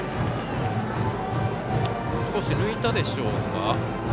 少し抜いたでしょうか。